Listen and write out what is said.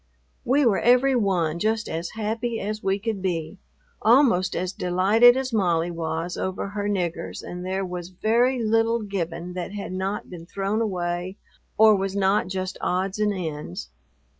We were every one just as happy as we could be, almost as delighted as Molly was over her "niggers," and there was very little given that had not been thrown away or was not just odds and ends.